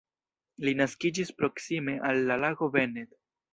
Li naskiĝis proksime al la lago Bennett.